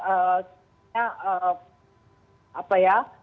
eeem apa ya